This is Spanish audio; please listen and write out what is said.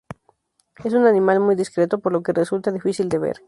Es un animal muy discreto, por lo que resulta difícil de ver.